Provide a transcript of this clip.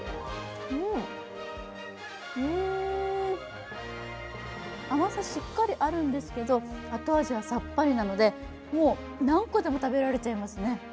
うーん、甘さ、しっかりあるんですけど後味はさっぱりなので、もう何個でも食べられちゃいますね。